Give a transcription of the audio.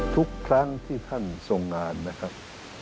ทุกครั้งที่ท่านทรงงานนะครับ